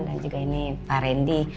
dan juga ini pak randy